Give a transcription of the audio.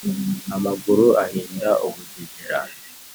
Amaguru ahinda ubugengera;